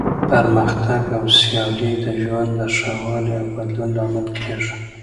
پرمختګ او سیالي د ژوند د ښه والي او بدلون لامل کیږي.